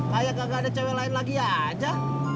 kayak gak ada cewek lain lagi ya aja